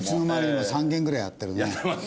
今３軒ぐらいやってるね。